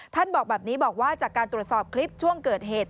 บอกแบบนี้บอกว่าจากการตรวจสอบคลิปช่วงเกิดเหตุ